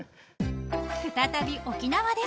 ［再び沖縄です］